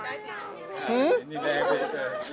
อีกหน่อย